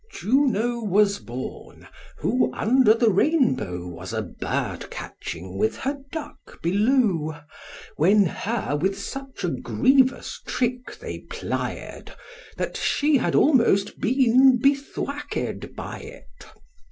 Juno was born, who, under the rainbow, Was a bird catching with her duck below: When her with such a grievous trick they plied That she had almost been bethwacked by it.